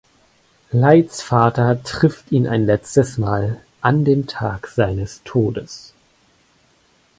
Lights Vater trifft ihn ein letztes Mal an dem Tag seines Todes.